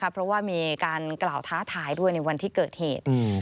เพราะว่ามีการกล่าวท้าทายด้วยในวันที่เกิดเหตุ